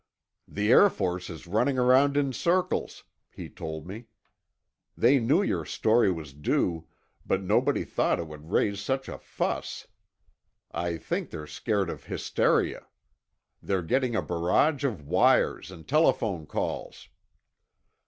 "The Air Force is running around in circles," he told me. "They knew your story was due, but nobody thought it would raise such a fuss. I think they're scared of hysteria. They're getting a barrage of wires and telephone calls."